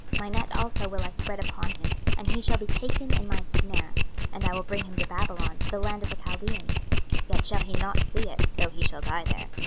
26:012:013 My net also will I spread upon him, and he shall be taken in my snare: and I will bring him to Babylon to the land of the Chaldeans; yet shall he not see it, though he shall die there.